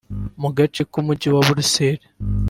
mu gace k’Umujyi wa Buruseli